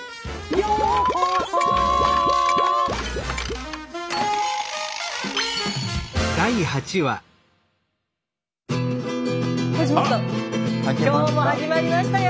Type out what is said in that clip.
ようこそ今日も始まりましたよ。